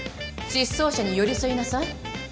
失踪者に寄り添いなさい